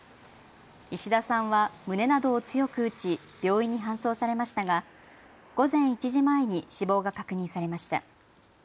石田さんは胸などを強く打ち病院に搬送されましたが午前１時前に死亡が確認されました。